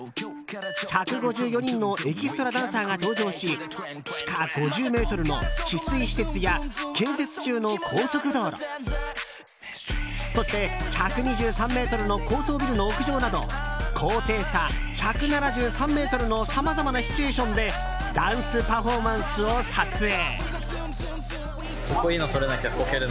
１５４人のエキストラダンサーが登場し地下５０ｍの治水施設や建設中の高速道路そして、１２３ｍの高層ビルの屋上など高低差１７３ｍのさまざまなシチュエーションでダンスパフォーマンスを撮影。